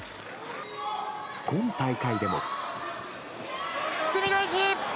今大会でも。